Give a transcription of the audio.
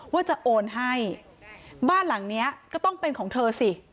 ว่าจะโอนให้บ้านหลังนี้ก็ต้องเป็นของเธอสิ